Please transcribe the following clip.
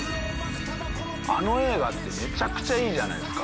あの映画ってめちゃくちゃいいじゃないですか。